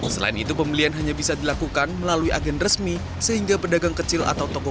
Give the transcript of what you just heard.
selain itu pembelian hanya bisa dilakukan melalui agen resmi sehingga pedagang kecil atau toko